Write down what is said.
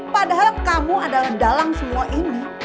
padahal kamu adalah dalang semua ini